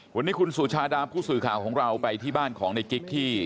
วันนี้คุณสุชาดาผู้สื่อข่าวของเราไปที่บ้านของในกิ๊กที่